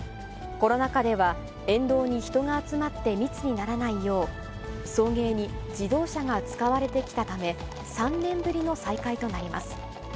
コロナ禍では、沿道に人が集まって密にならないよう、送迎に自動車が使われてきたため、３年ぶりの再開となります。